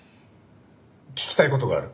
聞きたい事がある。